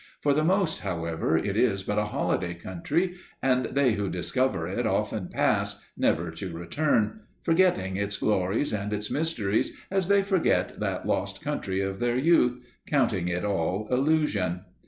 For the most, however, it is but a holiday country, and they who discover it often pass, never to return, forgetting its glories and its mysteries as they forget that lost country of their youth, counting it all illusion.